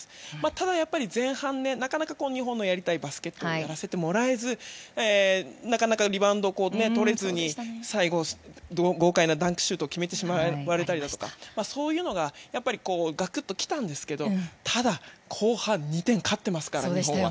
ただ、前半なかなか日本のやりたいバスケットをやらせてもらえずなかなかリバウンドをとれずに最後は豪快なダンクシュートを決められたりだとかそういうのがガクッと来たんですけどただ、後半２点勝っていますから日本は。